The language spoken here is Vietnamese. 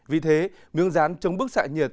vì thế ngương rán chống bức xạ nhiệt